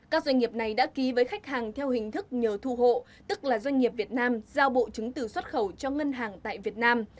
các doanh nghiệp này đã ký với khách hàng theo hình thức nhờ thu hộ tức là doanh nghiệp việt nam giao bộ chứng từ xuất khẩu cho ngân hàng tại việt nam